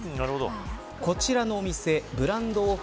こちらのお店ブランドオフ